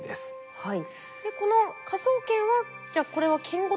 はい。